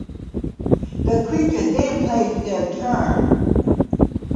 The creature then plays their turn.